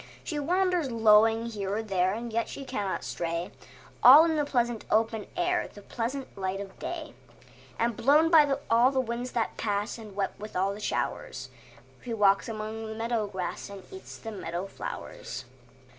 She wanders lowing here and there, And yet she cannot stray, All in the pleasant open air, The pleasant light of day; And blown by all the winds that pass And wet with all the showers, She walks among the meadow grass And eats the meadow flowers.